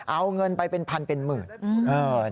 เอาเงินไปเป็นพันเป็นหมื่น